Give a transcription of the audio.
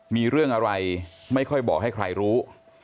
มีเรื่องอะไรไม่ค่อยบอกให้ใครรู้